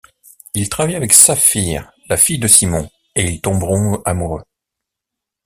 Il travaille avec Sapphire, la fille de Simon, et ils tomberont amoureux.